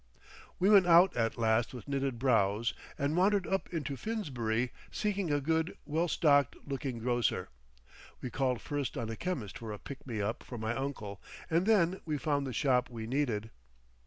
We went out at last with knitted brows, and wandered up into Finsbury seeking a good, well stocked looking grocer. We called first on a chemist for a pick me up for my uncle, and then we found the shop we needed.